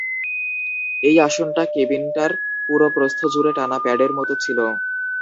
এই আসনটা কেবিনটার পুরো প্রস্থ জুড়ে টানা প্যাডের মতো ছিল।